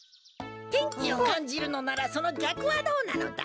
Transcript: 天気をかんじるのならそのぎゃくはどうなのだ？